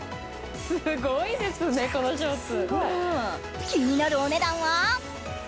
すごいですね、このショーツ。